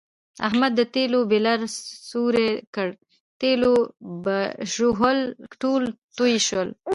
احمد د تېلو بیلر سوری کړ، تېلو بژوهل ټول تویې شول.